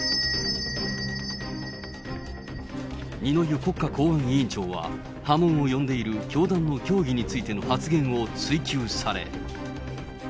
二之湯国家公安委員長は、波紋を呼んでいる教団の教義についての発言を追及され。